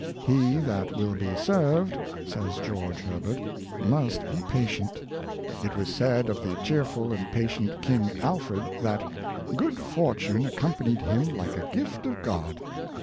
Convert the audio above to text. " He that will be served," says George Herbert, "must be patient." It was said of the cheerful and patient King Alfred, that " good fortune accompanied him like a gift of God."